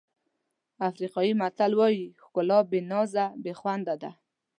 افریقایي متل وایي ښکلا بې نازه بې خونده ده.